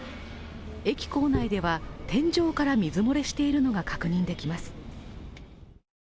駅構内では、天井から水漏れしているのが確認できます。